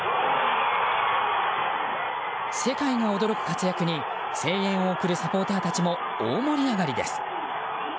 世界が驚く活躍に声援を送るサポーターたちも大盛り上がりです。